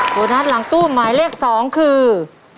โบนัสหลังตู้หมายเลข๒คือ